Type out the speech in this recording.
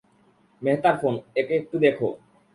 মেহতার phone, একে একটু দেখ।